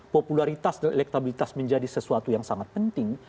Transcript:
popularitas dan elektabilitas menjadi sesuatu yang sangat penting